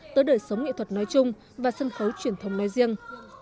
tới đời sống nghệ thuật nói chung và sân khấu truyền thống nói riêng